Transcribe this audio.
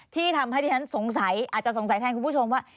ที่ทำให้ที่ฉันสงสัยอาจจะสงสัยแทนคุณผู้ชมว่า